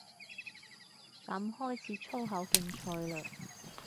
噉開始粗口競賽嘞